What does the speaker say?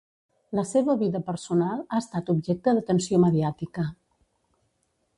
La seva vida personal ha estat objecte d'atenció mediàtica.